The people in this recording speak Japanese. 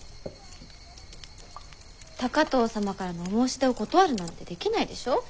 高藤様からのお申し出を断ることなんてできないでしょ？